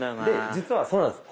実はそうなんです。